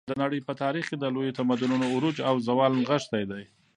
د نړۍ په تاریخ کې د لویو تمدنونو عروج او زوال نغښتی دی.